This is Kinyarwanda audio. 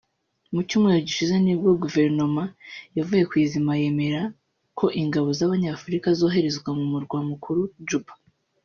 Mu cyumweru gishize nibwo Guverinoma yavuye ku izima yemera ko ingabo z’Abanyafurika zoherezwa mu murwa mukuru Juba